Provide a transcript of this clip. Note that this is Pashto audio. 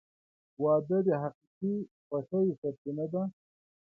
• واده د حقیقي خوښۍ سرچینه ده.